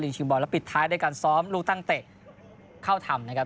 และปิดท้ายด้วยการซ้อมลูกตั้งเตะเข้าถ่ำ